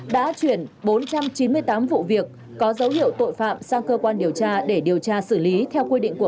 đã chuyển bốn trăm chín mươi tám vụ việc có dấu hiệu tội phạm sang cơ quan điều tra để điều tra xử lý theo quy định của